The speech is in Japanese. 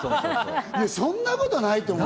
そんなことないと思うよ。